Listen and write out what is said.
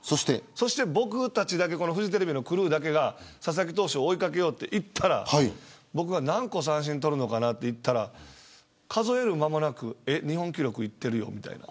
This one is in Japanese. そして、このフジテレビのクルーだけが佐々木投手を追いかけようと言ったら僕が何個三振とるのかなと言ったら数える間もなく日本記録いってるよみたいな。